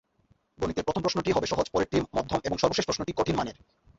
গণিতের প্রথম প্রশ্নটি হবে সহজ, পরেরটি মধ্যম এবং সর্বশেষ প্রশ্নটি কঠিন মানের।